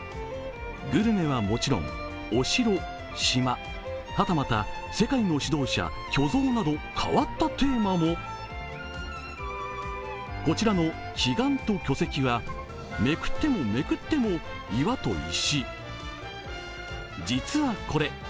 グルメはもちろん「お城」、「島」、はたまた世界の指導者、巨像など変わったテーマもこちらの「奇岩と巨石」は、めくってもめくっても、岩と石。